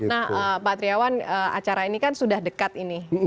nah pak triawan acara ini kan sudah dekat ini